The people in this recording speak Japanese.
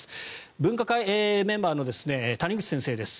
分科会メンバーの谷口先生です。